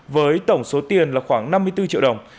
với tổng số tiền là khoảng năm mươi bốn triệu đồng